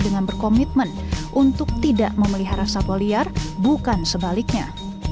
dengan berkomitmen untuk tidak memelihara satwa liar bukan sebaliknya